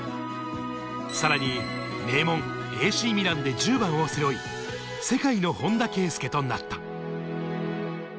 さらに名門ＡＣミランで１０番を背負い、世界の本田圭佑となった。